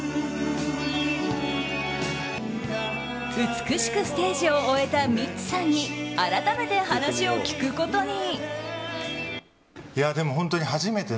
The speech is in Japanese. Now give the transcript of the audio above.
美しくステージを終えたミッツさんに改めて話を聞くことに。